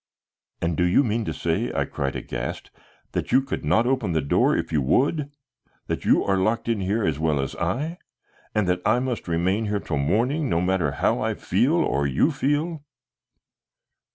"And do you mean to say," I cried aghast, "that you could not open that door if you would, that you are locked in here as well as I, and that I must remain here till morning, no matter how I feel or you feel?"